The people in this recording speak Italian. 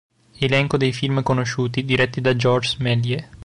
Elenco dei film conosciuti, diretti da Georges Méliès.